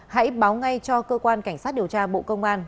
hãy báo ngay cho cơ quan cảnh sát điều tra bộ công an